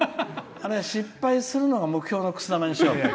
失敗するのが目標のくす玉にしよう。